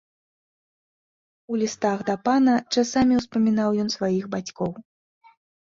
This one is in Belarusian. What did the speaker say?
У лістах да пана часамі ўспамінаў ён сваіх бацькоў.